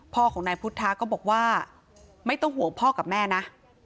พ่อของนายพุทธะก็บอกว่าไม่ต้องห่วงพ่อกับแม่นะ